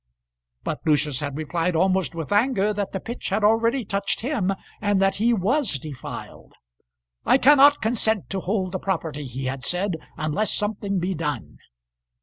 But Lucius had replied, almost with anger, that the pitch had already touched him, and that he was defiled. "I cannot consent to hold the property," he had said, "unless something be done."